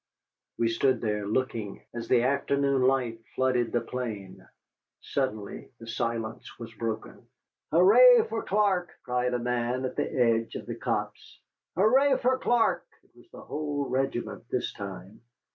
We stood there, looking, as the afternoon light flooded the plain. Suddenly the silence was broken. "Hooray for Clark!" cried a man at the edge of the copse. "Hooray for Clark!" it was the whole regiment this time.